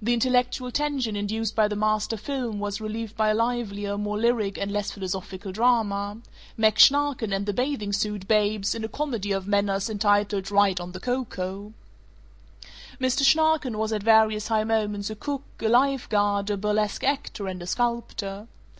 The intellectual tension induced by the master film was relieved by a livelier, more lyric and less philosophical drama: Mack Schnarken and the Bathing Suit Babes in a comedy of manners entitled "Right on the Coco." Mr. Schnarken was at various high moments a cook, a life guard, a burlesque actor, and a sculptor.